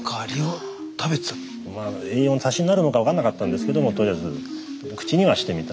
まあ栄養の足しになるのか分からなかったんですけどもとりあえず口にはしてみた。